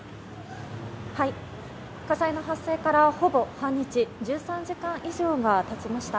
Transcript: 火災の発生からほぼ半日１３時間以上が経ちました。